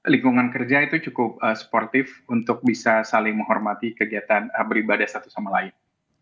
lingkungan kerja itu cukup sportif untuk bisa saling menghormati kegiatan beribadah satu sama lain